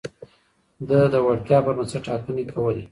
ده د وړتيا پر بنسټ ټاکنې کولې.